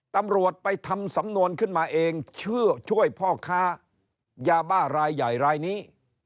ตำรวจไปทำสำนวนขึ้นมาเองเชื่อช่วยพ่อค้ายาบ้ารายใหญ่รายนี้